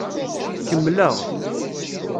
Kemmleɣ.